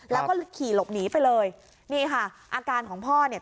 แล้วก็ขี่หลบหนีไปเลยนี่ค่ะอาการของพ่อเนี่ย